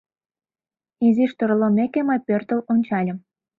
Изиш торлымеке, мый пӧртыл ончальым.